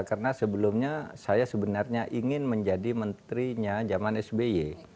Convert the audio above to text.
karena sebelumnya saya sebenarnya ingin menjadi menterinya zaman sby